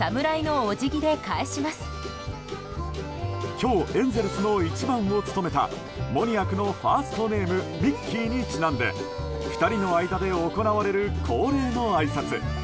今日エンゼルスの１番を務めたモニアックのファーストネームミッキーにちなんで２人の間で行われる恒例のあいさつ。